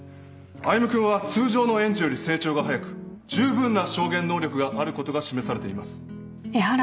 歩君は通常の園児より成長が早くじゅうぶんな証言能力があることが示されています。